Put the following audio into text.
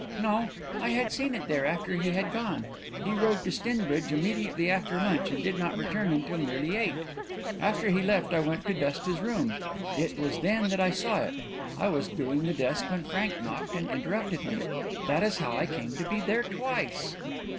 "No. I had seen it there after he had gone. He rode to Stinbridge immediately after lunch and did not return until nearly eight. After he left I went to dust his room. It was then that I saw it. I was doing the desk when Frank knocked and interrupted me. That is how I came to be there twice."